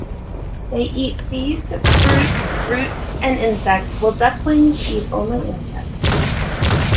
They eat seeds, fruits, roots and insect, while ducklings eat only insects.